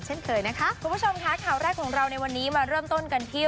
เช่นเคยนะคะคุณผู้ชมค่ะข่าวแรกของเราในวันนี้มาเริ่มต้นกันที่